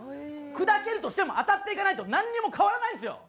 砕けるとしても当たっていかないとなんにも変わらないんですよ。